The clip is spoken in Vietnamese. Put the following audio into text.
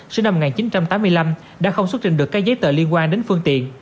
sinh năm một nghìn chín trăm tám mươi năm đã không xuất trình được các giấy tờ liên quan đến phương tiện